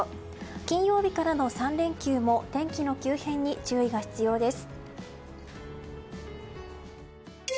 金曜日からの３連休も天気の急変に注意が必要です。